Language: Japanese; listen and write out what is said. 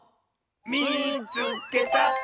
「みいつけた！」。